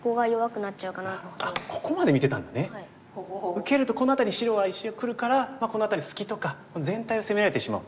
受けるとこの辺りに白が一瞬くるからこの辺り隙とか全体を攻められてしまう。